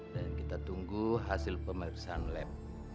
dan kita tunggu hasil pemirsaan lab